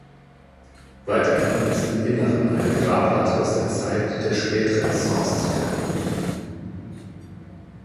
Weiterhin ist im Inneren eine Grabplatte aus der Zeit der Spätrenaissance zu finden.